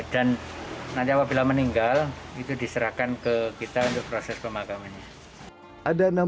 itu diserahkan ke kita untuk proses pemakamannya